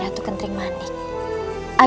hanya sebentar saja